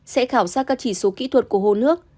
sẽ khảo sát các chỉ số kỹ thuật của hồ nước